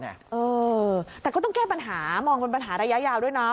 เออแต่ก็ต้องแก้ปัญหามองเป็นปัญหาระยะยาวด้วยนะ